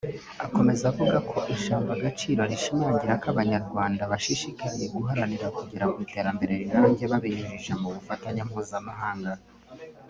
Akomeza avuga ko ijambo Agaciro rishimangira ko Abanyarwanda bashishikariye guharanira kugera ku iterambere rirambye babinyujije mu bufatanye mpuzamahanga